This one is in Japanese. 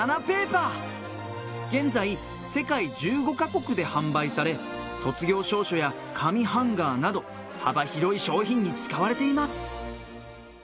ペーパー現在、世界１５カ国で販売され卒業証書や紙ハンガーなど幅広い商品に使われています。